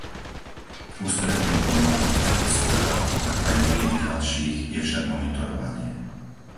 Ústredným problémom tejto správy, ako aj mnohých ďalších je však monitorovanie.